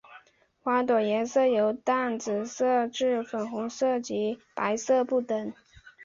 花朵颜色由淡紫色至粉红色及白色不等。